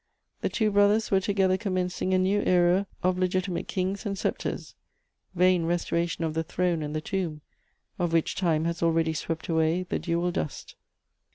The two brothers were together commencing a new era of legitimate kings and sceptres: vain restoration of the throne and the tomb, of which time has already swept away the dual dust.